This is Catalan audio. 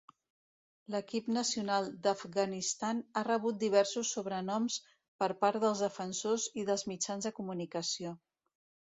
L'equip nacional d'Afganistan ha rebut diversos sobrenoms per part dels defensors i dels mitjans de comunicació.